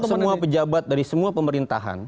semua pejabat dari semua pemerintahan